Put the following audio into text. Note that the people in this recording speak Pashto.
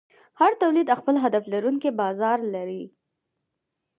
هر تولید خپل هدف لرونکی بازار لري.